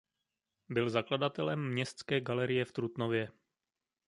Byl zakladatelem městské galerie v Trutnově.